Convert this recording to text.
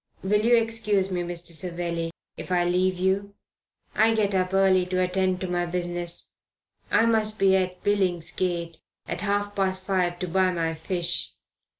"Will you excuse me, Mr. Savelli, if I leave you? I get up early to attend to my business. I must be at Billingsgate at half past five to buy my fish.